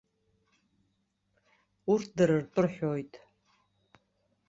Урҭ дара ртәы рҳәоит.